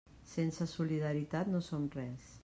Sense solidaritat no som res.